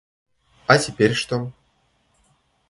А теперь что?